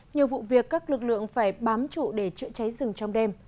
nhiều vụ việc các lực lượng phải bám trụ để chữa cháy rừng trong đêm